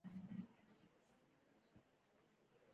هلته چې جوړ دی د بوډۍ د ټال،